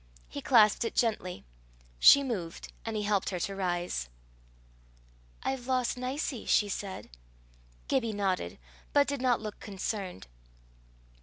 He clasped it gently. She moved, and he helped her to rise. "I've lost Nicie," she said. Gibbie nodded, but did not look concerned.